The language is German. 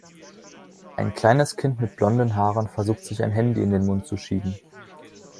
Ein kleines Kind mit blonden Haaren versucht, sich ein Handy in den Mund zu schieben.